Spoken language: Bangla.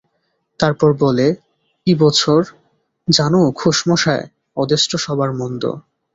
তারপর বলে, ই বছর, জানো ঘোষ মশায়, অদেষ্ট সবার মন্দ।